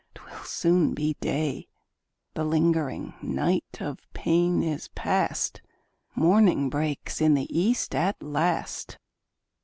'twill soon be day;" The lingering night of pain is past, Morning breaks in the east at last.